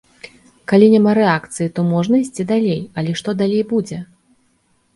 Калі няма рэакцыі, то можна ісці далей, але што далей будзе?